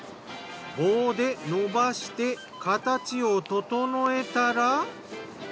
棒で伸ばして形を整えたら。